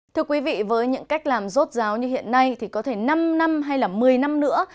thưa quý vị với những cách làm rốt ráo như hiện nay thì có thể năm năm hay là một mươi năm nữa